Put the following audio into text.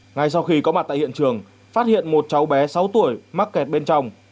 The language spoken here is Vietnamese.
ngay sau khi có mặt tại hiện trường phát hiện một cháu bé sáu tuổi mắc kẹt bên trong